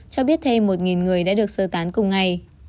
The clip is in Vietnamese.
cho biết thêm một người đã được sơ tán cùng ngày